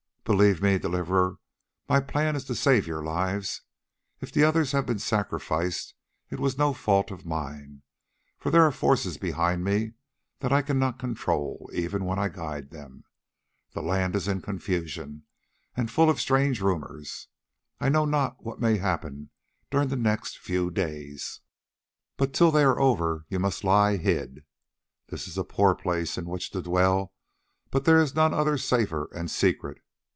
"Believe me, Deliverer, my plan is to save your lives. If the others have been sacrificed it was no fault of mine, for there are forces behind me that I cannot control even when I guide them. The land is in confusion and full of strange rumours. I know not what may happen during the next few days, but till they are over you must lie hid. This is a poor place in which to dwell, but there is none other safe and secret.